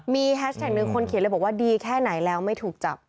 มีแฮชแท็กหนึ่งคนเขียนเลยบอกว่าดีแค่ไหนแล้วไม่ถูกจับ